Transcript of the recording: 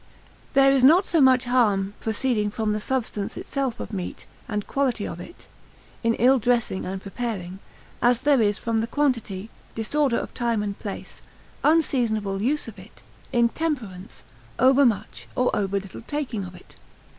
_ There is not so much harm proceeding from the substance itself of meat, and quality of it, in ill dressing and preparing, as there is from the quantity, disorder of time and place, unseasonable use of it, intemperance, overmuch, or overlittle taking of it.